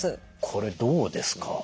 これどうですか？